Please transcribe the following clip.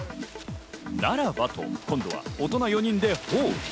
ならばと今度は大人４人で包囲。